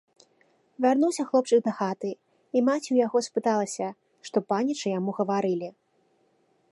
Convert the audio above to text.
Вярнуўся хлопчык дахаты, і маці ў яго спыталася, што панічы яму гаварылі.